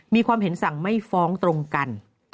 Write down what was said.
มีความเห็นสั่งไม่ฟ้องตรงกัน